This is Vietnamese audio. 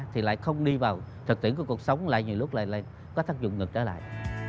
thì lại không đi vào thực tiễn của cuộc sống lại nhiều lúc lại có tác dụng ngược trở lại